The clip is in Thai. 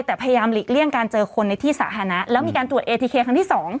แต่พยายามหลีกเลี่ยงการเจอคนในที่สาธารณะแล้วมีการตรวจเอทีเคครั้งที่๒